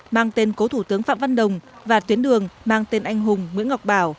mang tên cố thủ tướng phạm văn đồng và tuyến đường mang tên anh hùng nguyễn ngọc bảo